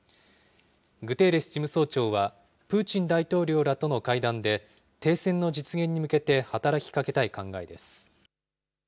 グテーレス事務総長は、プーチン大統領らとの会談で、停戦の実現に向けて働きかけたい考えです。